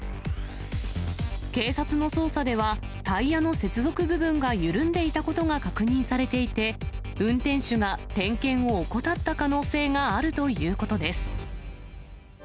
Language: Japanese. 警察の捜査では、タイヤの接続部分が緩んでいたことが確認されていて、運転手が点検を怠った可能性があるということです。